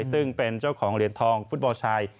ซึ่งเป็นเจ้าของเหรียญทองฟุตบอลชาย